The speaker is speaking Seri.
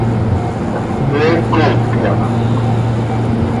¿Me coopya?